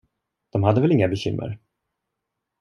De hade väl inga bekymmer.